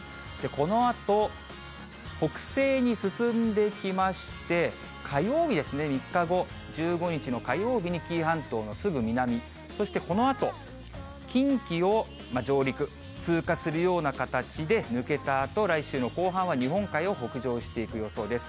このあと北西に進んでいきまして、火曜日ですね、３日後、１５日の火曜日に紀伊半島のすぐ南、そしてこのあと、近畿を上陸、通過するような形で抜けたあと、来週の後半は日本海を北上していく予想です。